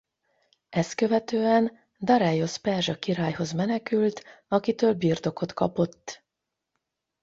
Ezt követően Dareiosz perzsa királyhoz menekült akitől birtokot kapott.